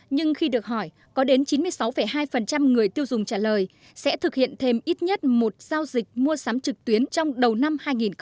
nhưng khi được hỏi có đến chín mươi sáu hai người tiêu dùng trả lời sẽ thực hiện thêm ít nhất một giao dịch mua sắm trực tuyến trong đầu năm hai nghìn hai mươi